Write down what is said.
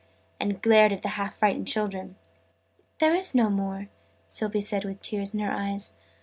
and glared at the half frightened children. "There is no more!", Sylvie said with tears in her eyes.